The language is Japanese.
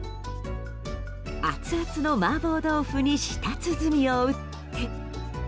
アツアツの麻婆豆腐に舌鼓を打って。